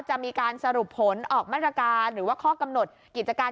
จะมีการสรุปผลออกมาตรการหรือว่าข้อกำหนดกิจการ